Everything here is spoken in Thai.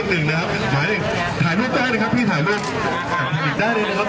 หนึ่งนะครับหมายถึงถ่ายรูปได้เลยครับพี่ถ่ายรูปได้เลยนะครับ